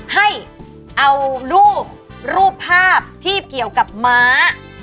ให้เอารูปรูปภาพที่เกี่ยวกับม้า